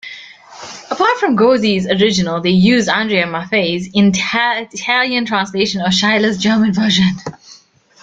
Apart from Gozzi's original they used Andrea Maffei's Italian translation of Schiller's German version.